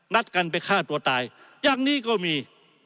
นัดกันไปฆ่าตัวตายอย่างนี้ก็มี